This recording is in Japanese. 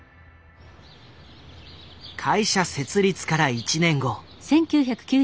会社設立から１年後。